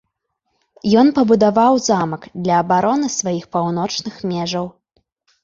Ён пабудаваў замак для абароны сваіх паўночных межаў.